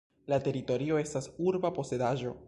La teritorio estas urba posedaĵo.